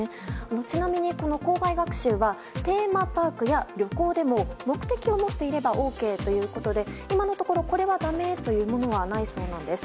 ちなみに、この校外学習はテーマパークや旅行でも目的を持っていればＯＫということで今のところ、これはだめというものはないそうなんです。